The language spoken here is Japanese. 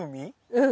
うん。